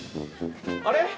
あれ？